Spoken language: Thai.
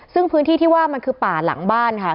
ซึ่งพื้นที่ที่ว่ามันคือป่าหลังบ้านค่ะ